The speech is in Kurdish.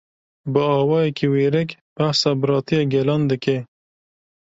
Bi awayeke wêrek, behsa biratiya gelan dike